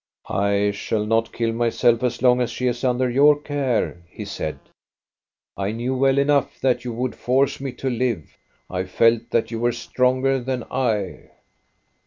" I shall not kill myself as long as she is under your care," he said. I knew well enough that you would force me to live. I felt that you were stronger than I."